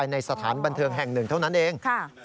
ในสถานบันเทิงแห่งหนึ่งเท่านั้นเอง